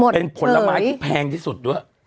เป็นผลไม้ที่แพงที่สุดด้วย